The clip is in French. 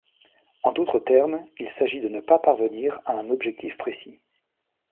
En d’autres termes, il s’agit de ne pas parvenir à un objectif précis.